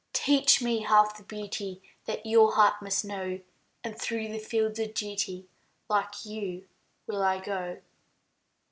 Teach me half the beauty That your heart must know, And through fields of duty Like you, will I go.